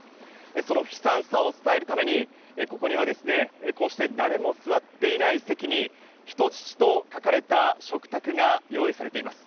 その悲惨さを伝えるために、ここにはこうして誰も座っていない席に、人質と書かれた食卓が用意されています。